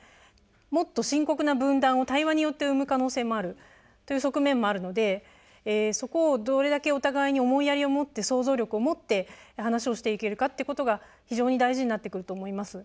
もっと深刻な分断を対話によって生む可能性もあるという側面もあるのでそこをどれだけお互いに思いやりを持って想像力を持って話をしていけるかってことが非常に大事になってくると思います。